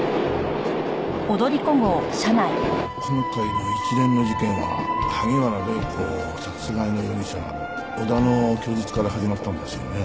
今回の一連の事件は萩原礼子殺害の容疑者小田の供述から始まったんですよね。